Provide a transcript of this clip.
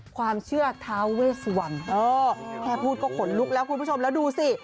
ความเชื่อท้าเวสวันเออแค่พูดก็ขนลุกแล้วคุณผู้ชมแล้วดูสิ